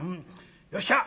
よっしゃ。